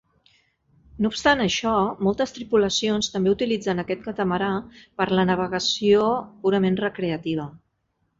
No obstant això, moltes tripulacions també utilitzen aquest catamarà per a la navegació purament recreativa.